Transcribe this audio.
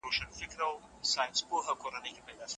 مړینه د ژوند د سختیو پای دی.